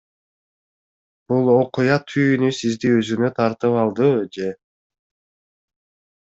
Бул окуя түйүнү сизди өзүнө тартып алдыбы, же?